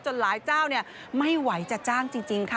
หลายเจ้าไม่ไหวจะจ้างจริงค่ะ